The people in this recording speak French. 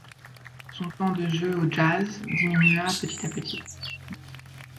Son temps de jeu aux Jazz diminua petit à petit.